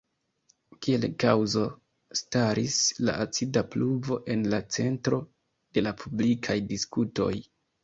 Kiel kaŭzo staris la acida pluvo en la centro de la publikaj diskutoj.